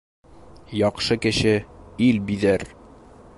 Яҡшы кеше ил биҙәр.